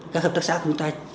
các hợp tác xã của chúng ta